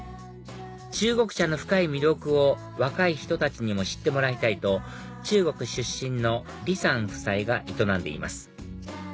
中国茶の深い魅力を若い人たちにも知ってもらいたいと中国出身の李さん夫妻が営んでいます